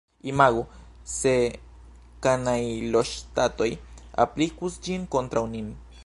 Imagu se kanajloŝtatoj aplikus ĝin kontraŭ nin!